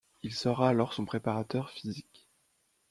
Il sera alors son préparateur physique.